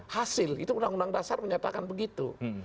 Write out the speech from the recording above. hasil itu undang undang dasar menyatakan begitu